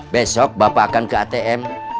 besok bapak akan ke atm